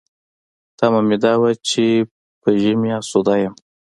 تمه مې دا وه چې په ژمي اسوده یم.